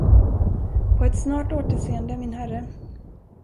På ett snart återseende, min herre!